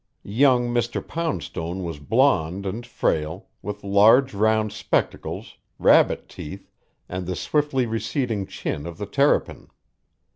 Young Mr. Poundstone was blonde and frail, with large round spectacles, rabbit teeth, and the swiftly receding chin of the terrapin.